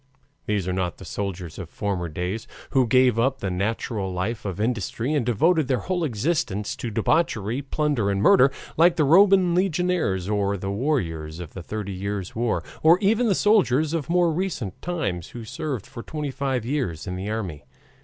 These are not the soldiers of former days, who gave up the natural life of industry and devoted their whole existence to debauchery, plunder, and murder, like the Roman legionaries or the warriors of the Thirty Years' War, or even the soldiers of more recent times who served for twenty five years in the army.